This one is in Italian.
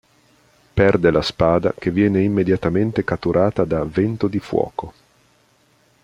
Perde la spada che viene immediatamente catturata da Vento di Fuoco.